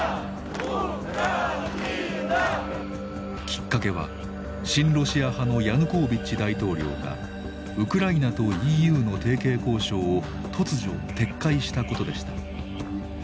きっかけは親ロシア派のヤヌコービッチ大統領がウクライナとＥＵの提携交渉を突如撤回したことでした。